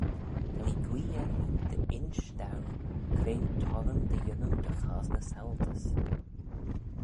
Ta mee guee erriu dy insh dou cre t'orrym dy yannoo dy chosney saualtys?